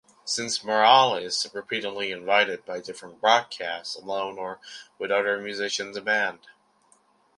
Since Morales repeatedly invited by different broadcasts alone or with other musicians of band.